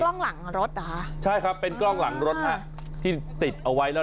กล้องหลังรถเหรอคะใช่ครับเป็นกล้องหลังรถฮะที่ติดเอาไว้แล้ว